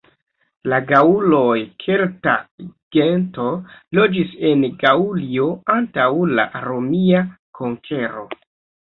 La gaŭloj -kelta gento- loĝis en Gaŭlio antaŭ la romia konkero.